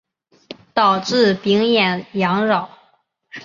导致丙寅洋扰。